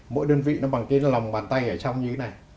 mỗi đơn vị nó bằng cái lòng bàn tay ở trong như thế này